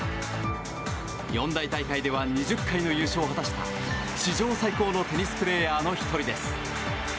四大大会では２０回の優勝を果たした史上最高のテニスプレーヤーの１人です。